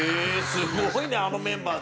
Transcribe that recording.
すごいねあのメンバーで。